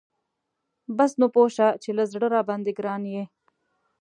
بس نو پوه شه چې له زړه راباندی ګران یي .